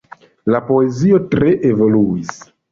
Lia poezio tre evoluis.